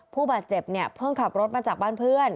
ผู้บาดเจ็บเนี่ยเพิ่งขับรถมาจากบ้านเพื่อน